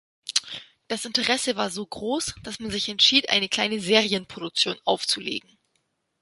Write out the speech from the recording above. Das Interesse war so groß, dass man sich entschied, eine kleine Serienproduktion aufzulegen.